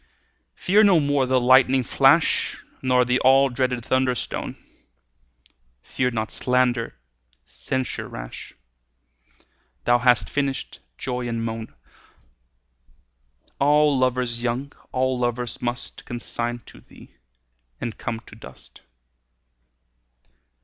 Fear no more the lightning flash Nor the all dreaded thunder stone; Fear not slander, censure rash; Thou hast finished joy and moan: All lovers young, all lovers must Consign to thee, and come to dust.